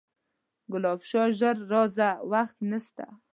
ګلاب شاه ژر راځه وخت نسته